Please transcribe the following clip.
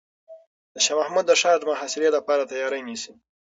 شاه محمود د ښار د محاصرې لپاره تیاری نیسي.